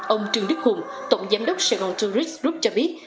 ông trương đức hùng tổng giám đốc saigon tourist group cho biết